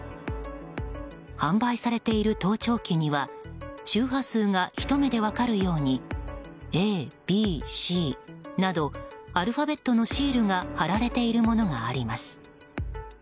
販売されている盗聴器には周波数がひと目で分かるようにＡ、Ｂ、Ｃなどアルファベットのシールが貼られているものがあります。